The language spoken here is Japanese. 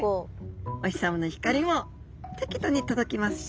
お日様の光も適度に届きますし